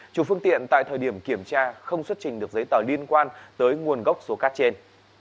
chủ phương tiện tại thời điểm kiểm tra không xuất trình được giấy tờ liên quan tới nguồn gốc số cát trên